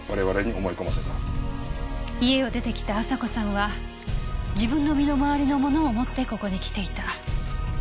家を出てきた亜沙子さんは自分の身の回りのものを持ってここに来ていた。